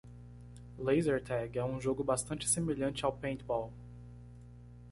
Laser tag é um jogo bastante semelhante ao paintball.